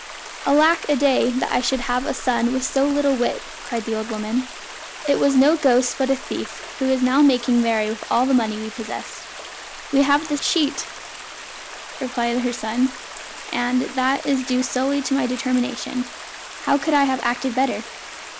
"Alack a day! that I should have a son with so little wit!" cried the old woman; "it was no ghost, but a thief, who is now making merry with all the money we possessed." "We have his sheet," replied her son; "and that is due solely to my determination. How could I have acted better?"